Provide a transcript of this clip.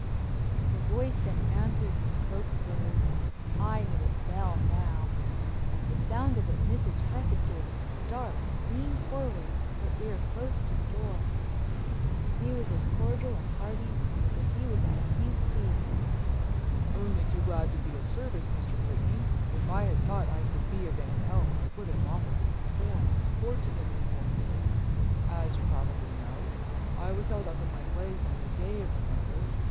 The voice that answered was Cokesbury's; I knew it well now. At the sound of it Mrs. Cresset gave a start and leaned forward, her ear close to the door. He was as cordial and hearty as if he was at a pink tea. "Only too glad to be of service, Mr. Whitney. If I had thought I could be of any help I would have offered before. Fortunately for me—as you probably know—I was held up in my place on the day of the murder.